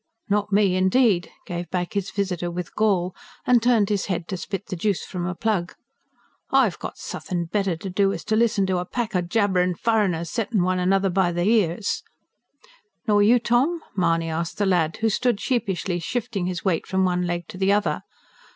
"Not me, indeed!" gave back his visitor with gall, and turned his head to spit the juice from a plug. "I've got suthin' better to do as to listen to a pack o' jabberin' furriners settin' one another by th'ears." "Nor you, Tom?" Mahony asked the lad, who stood sheepishly shifting his weight from one leg to the other.